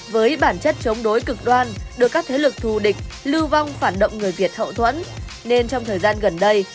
với bản chất chống đối cực đoan được các thế lực thù địch lưu vong phản động người việt hậu thuẫn nên trong thời gian gần đây